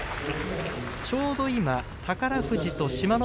ちょうど今、宝富士と志摩ノ